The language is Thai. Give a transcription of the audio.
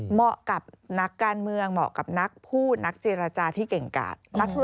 เหมาะกับนักการเมืองเหมาะกับนักพูดนักเจรจาที่เก่งกาด